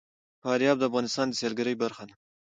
فاریاب د افغانستان د سیلګرۍ برخه ده.